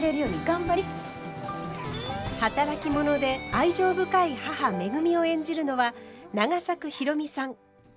働き者で愛情深い母めぐみを演じるのは永作博美さん。